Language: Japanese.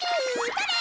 それ！